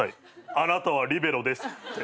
「あなたはリベロです」って。